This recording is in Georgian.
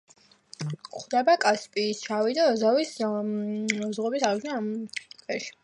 გვხვდება კასპიის, შავი და აზოვის ზღვების აუზში და ჩრდილოეთ ყინულოვან ოკეანეში.